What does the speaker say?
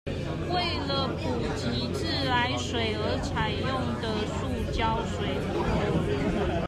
為了普及自來水而採用的塑膠水管